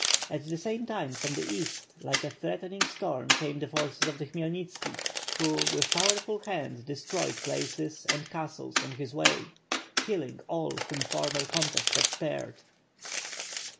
At the same time from the east, like a threatening storm came the forces of the Khmyelnitski, who with powerful hand destroyed places and castles on his way, killing all whom former contests had spared.